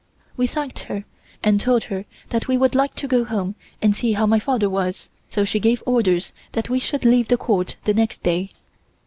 We thanked her and told her that we would like to go home and see how my father was, so she gave orders that we should leave the Court the next day.